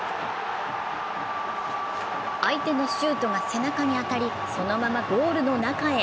相手のシュートが背中に当たり、そのままゴールの中へ。